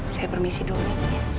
saya permisi dulu